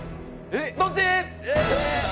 どっち！？